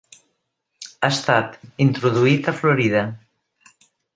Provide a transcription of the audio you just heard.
Ha estat introduït a Florida.